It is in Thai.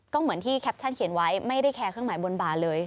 ก็เหมือนที่แคปชั่นเขียนไว้ไม่ได้แคร์เครื่องหมายบนบาร์เลย